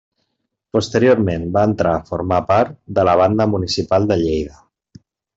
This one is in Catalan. Posteriorment, va entrar a formar part de la Banda Municipal de Lleida.